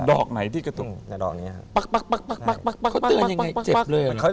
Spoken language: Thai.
อกไหนที่กระตุกแต่ดอกอย่างนี้ครับเขาเตือนยังไงเจ็บเลย